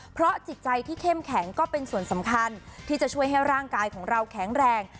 เพราะจิตใจที่เข้มแข็งก็เป็นส่วนสำคัญที่จะช่วยให้ร่างกายของเราแข็งแรง